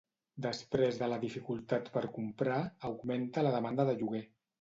Després de la dificultat per comprar, augmenta la demanda de lloguer.